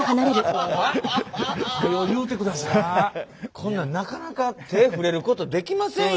こんなんなかなか手ぇ触れることできませんよ。